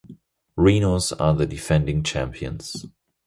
Rhinos are the defending champions.